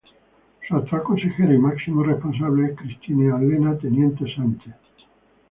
Su actual consejera y máximo responsable es Cristina Elena Teniente Sánchez.